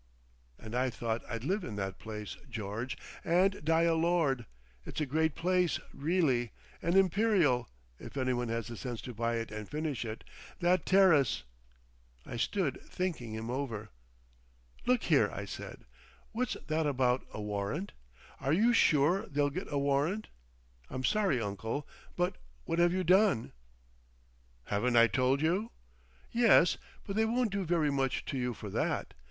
"And I thought I'd live in that place, George and die a lord! It's a great place, reely, an imperial—if anyone has the sense to buy it and finish it. That terrace—" I stood thinking him over. "Look here!" I said. "What's that about—a warrant? Are you sure they'll get a warrant? I'm sorry uncle; but what have you done?" "Haven't I told you?" "Yes, but they won't do very much to you for that.